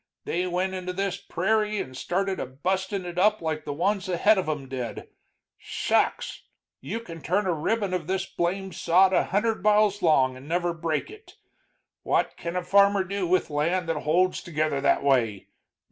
They went into this pe rairie and started a bustin' it up like the ones ahead of 'em did. Shucks! you can turn a ribbon of this blame sod a hundred miles long and never break it. What can a farmer do with land that holds together that way?